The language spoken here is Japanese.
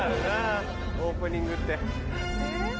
オープニングって。